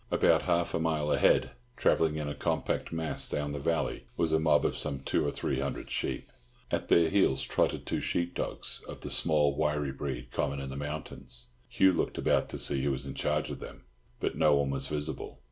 About half a mile ahead, travelling in a compact mass down the valley, was a mob of some two or three hundred sheep. At their heels trotted two sheep dogs of the small wiry breed common in the mountains. Hugh looked about to see who was in charge of them; but no one was visible.